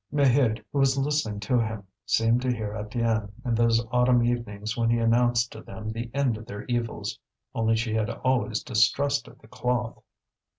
Maheude, who was listening to him, seemed to hear Étienne, in those autumn evenings when he announced to them the end of their evils. Only she had always distrusted the cloth.